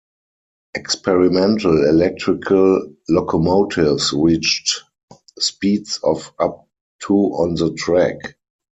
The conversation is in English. Experimental electrical locomotives reached speeds of up to on the track.